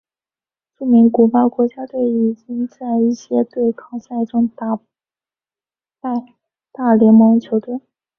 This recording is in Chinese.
著名古巴国家队已经在一些对抗赛中打败大联盟球队。